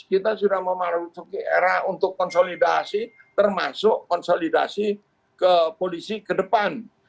kita sudah memasuki era untuk konsolidasi termasuk konsolidasi ke polisi ke depan